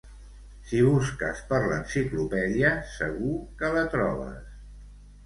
Si busques per l'enciclopèdia segur que la trobes.